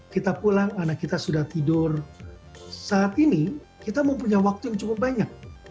kita pulang anak kita sudah tidur saat ini kita mempunyai waktu yang cukup banyak